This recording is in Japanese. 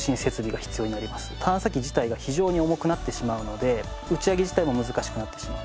探査機自体が非常に重くなってしまうので打ち上げ自体も難しくなってしまうと。